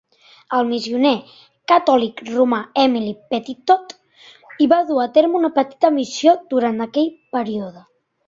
El missioner catòlic romà Emile Petitot hi va dur a terme una petita missió durant aquell període.